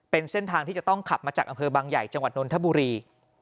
เป็นเส้นทางที่จะต้องขับมาจากอำเภอบางใหญ่จังหวัดนนทบุรี